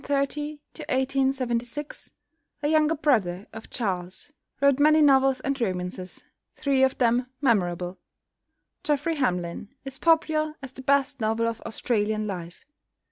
=Henry Kingsley (1830 1876)=, a younger brother of Charles, wrote many novels and romances, three of them memorable. "Geoffrey Hamlyn" is popular as the best novel of Australian life.